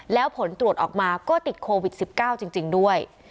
แล้วผลตรวจออกมาก็ติดโควิด๑๙จริงด้วย